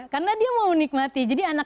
karena dia mau nikmati jadi anak